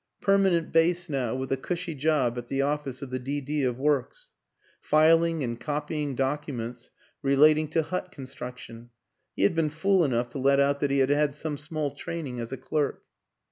Permanent base now, with a cushy job at the office of the D.D. of Works. Filing and copying documents relating to hut construction; he had been fool enough to let out that he had had some small training as a clerk.